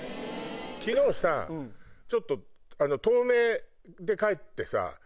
昨日さちょっと東名で帰って。